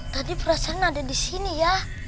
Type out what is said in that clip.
tadi perasaan ada disini ya